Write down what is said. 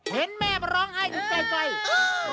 เห็นแม่มาร้องไห้ดูใกล้